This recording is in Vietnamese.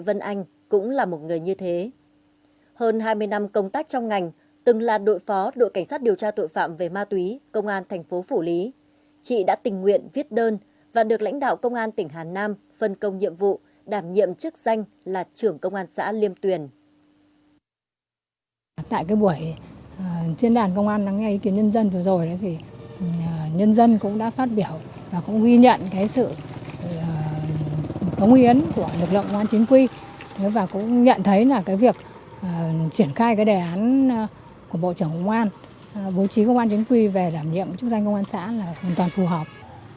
và cũng ghi nhận sự thống yến của lực lượng công an chính quy và cũng nhận thấy việc triển khai đề án của bộ trưởng công an bố trí công an chính quy về đảm nhiệm chức danh công an xã là hoàn toàn phù hợp